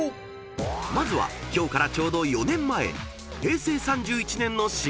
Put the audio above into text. ［まずは今日からちょうど４年前］